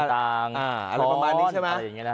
อะไรประมาณนี้ใช่ไหม